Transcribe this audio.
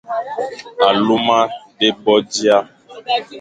Aluma dé bo dia,